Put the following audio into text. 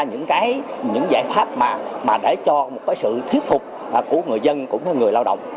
những giải pháp mà để cho một sự thiết phục của người dân cũng như người lao động